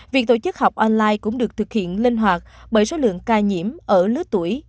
việc tổ chức học online cũng được thực hiện linh hoạt bởi số lượng ca nhiễm ở lứa tuổi